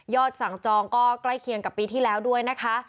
สั่งจองก็ใกล้เคียงกับปีที่แล้วด้วยนะคะ